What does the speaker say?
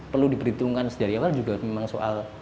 perlu diperhitungkan dari awal juga memang soal